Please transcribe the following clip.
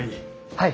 はい。